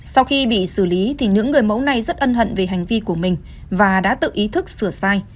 sau khi bị xử lý thì những người mẫu này rất ân hận về hành vi của mình và đã tự ý thức sửa sai